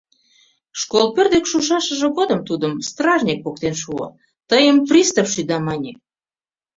Школ пӧрт дек шушашыже годым тудым стражник поктен шуо: «Тыйым пристав шӱда», — мане.